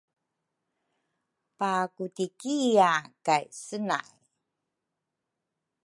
pakutikia kay senai.